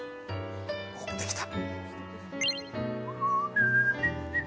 お、できた。